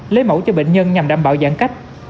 lấy mẫu cho bệnh nhân nhằm đảm bảo giãn cách